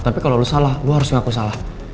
tapi kalo lo salah gue harus ngaku salah